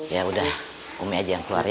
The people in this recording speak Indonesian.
ya udah umi aja yang keluar ya